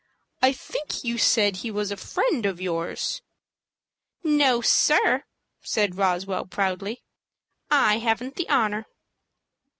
"I think you said he was a friend of yours." "No, sir," said Roswell, proudly; "I haven't the honor."